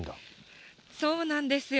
そうなんですよ。